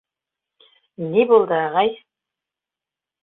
Ни булды, ағай?!